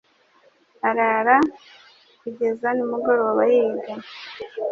arara kugeza nimugoroba yiga.